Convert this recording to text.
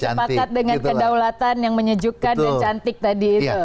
jadi bi sepakat dengan kedaulatan yang menyejukkan dan cantik tadi itu